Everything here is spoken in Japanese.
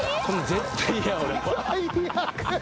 絶対嫌俺。